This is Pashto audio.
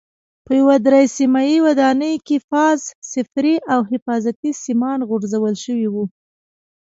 په یوه درې سیمه ودانۍ کې فاز، صفري او حفاظتي سیمان غځول شوي.